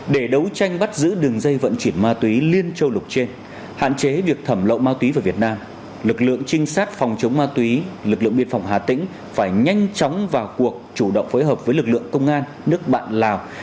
để đấu tranh bắt giữ đường dây vận chuyển ma túy liên châu lục trên hạn chế việc thẩm lậu ma túy vào việt nam lực lượng trinh sát phòng chống ma túy lực lượng biên phòng hà tĩnh phải nhanh chóng vào cuộc chủ động phối hợp với lực lượng công an nước bạn lào